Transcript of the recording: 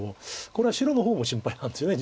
これは白の方も心配なんですよね